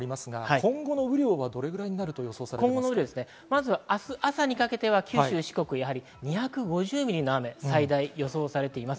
今後の雨量はどれ明日朝にかけて九州、四国は２５０ミリの雨が最大予想されています。